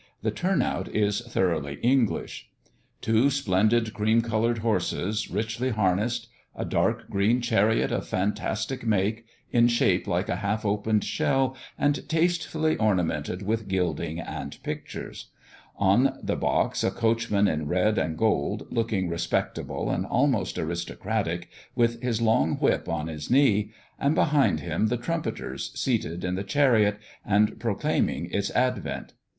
The turn out is thoroughly English. Two splendid cream coloured horses, richly harnessed; a dark green chariot of fantastic make, in shape like a half opened shell, and tastefully ornamented with gilding and pictures; on the box a coachman in red and gold, looking respectable and almost aristocratic, with his long whip on his knee; and behind him the trumpeters, seated in the chariot, and proclaiming its advent.